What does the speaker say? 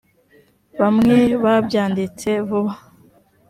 bamwe babyanditse vuba